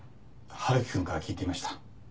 「春樹くんから聞いていました」